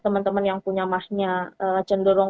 temen temen yang punya mahnya cenderung